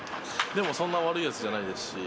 でも、そんな悪いやつじゃないですし。